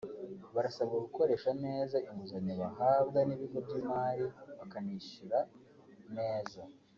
barasabwa gukoresha neza inguzanyo bahabwa n’ibigo by’imari bakanishyura neza